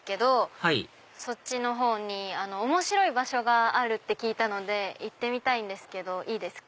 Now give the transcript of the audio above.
はいそっちのほうに面白い場所があると聞いたので行ってみたいんですいいですか？